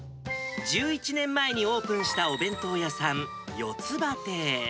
１１年前にオープンしたお弁当屋さん、四つ葉亭。